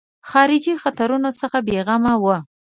خارجي خطرونو څخه بېغمه وو.